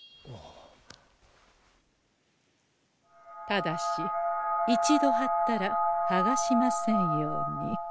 ただし一度はったらはがしませんように。